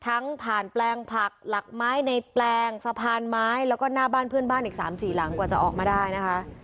ผ่านแปลงผักหลักไม้ในแปลงสะพานไม้แล้วก็หน้าบ้านเพื่อนบ้านอีก๓๔หลังกว่าจะออกมาได้นะคะ